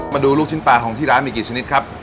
ลูกชิ้นปลาของที่ร้านมีกี่ชนิดครับ